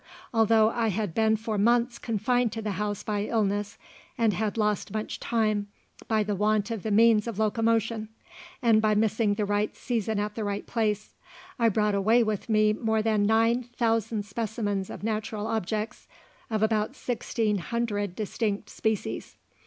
Although I had been for months confined to the house by illness, and had lost much time by the want of the means of locomotion, and by missing the right season at the right place, I brought away with me more than nine thousand specimens of natural objects, of about sixteen hundred distinct species.